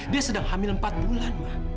dia sedang hamil empat bulan mah